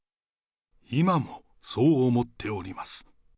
今もそう思っております。